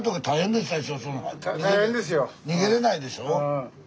逃げれないでしょう？